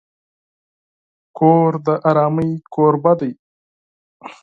کور د آرامۍ کوربه دی.